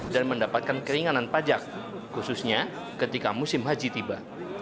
dan mendapatkan keringanan pajak khususnya ketika musim haji tiba